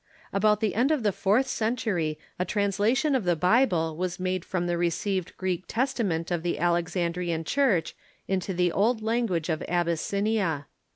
About the end of the fourth century a transla tion of the Bible was made from the received Greek Testa ment of the Alexandrian Church into the old language of Abyssinia.